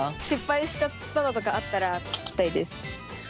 失敗しちゃったのとかあったら聞きたいです。